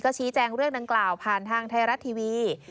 ชี้แจงเรื่องดังกล่าวผ่านทางไทยรัฐทีวี